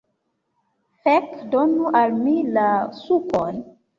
Fek' donu al mi la sukon